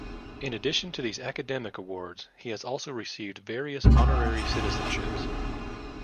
In addition to these academic awards he has also received various honorary citizenships.